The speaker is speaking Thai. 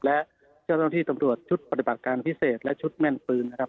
และเจ้าหน้าที่ตำรวจชุดปฏิบัติการพิเศษและชุดแม่นปืนนะครับ